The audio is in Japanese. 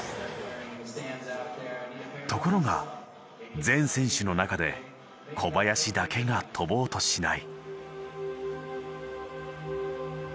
ところが全選手の中で小林だけが飛ぼうとしない。